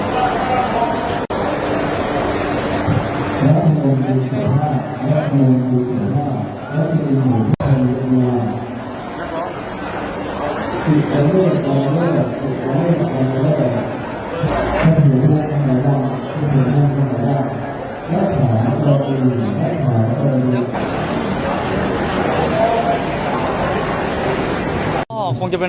สาลิกใจเย็น